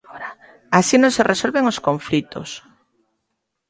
Así non se resolven os conflitos.